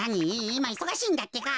いまいそがしいんだってか。